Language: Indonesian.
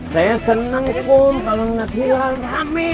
saya senang kom kalau nanti ramai